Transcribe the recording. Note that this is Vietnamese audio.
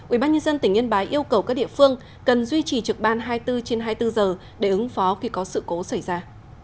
ubnd tỉnh yên bái yêu cầu các địa phương cần duy trì trực ban hai mươi bốn trên hai mươi bốn giờ để ứng phó khi có sự cố xảy ra